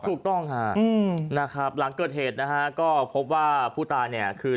ถูกต้องฮะนะครับหลังเกิดเหตุนะฮะก็พบว่าผู้ตายเนี่ยคือ